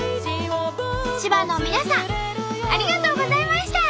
千葉の皆さんありがとうございました！